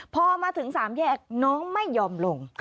พอมาถึง๓แยกน้องไม่ยอมลง